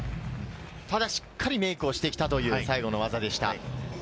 ただ、しっかりメイクしてきたという最後の技でした。